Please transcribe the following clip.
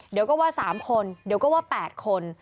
เดี๋ยวก็ว่า๓คนเดี๋ยวก็ว่า๘คน